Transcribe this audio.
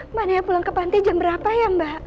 mbak naya pulang ke panti jam berapa ya mbak